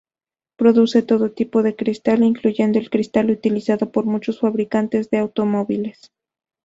Produce todo tipo de cristal, incluyendo el cristal utilizado por muchos fabricantes de automóviles.